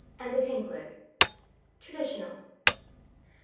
AND THE TINKLER. {72a} (TRADITIONAL.)